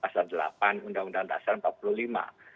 pasal delapan undang undang dasar empat puluh lima